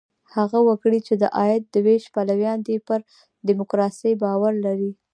هغه وګړي، چې د عاید د وېش پلویان دي، پر ډیموکراسۍ باور لري.